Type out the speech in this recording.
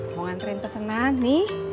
mau ngantriin pesenan nih